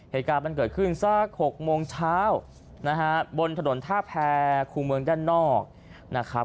เหตุการณ์มันเกิดขึ้นสัก๖โมงเช้านะฮะบนถนนท่าแพรคู่เมืองด้านนอกนะครับ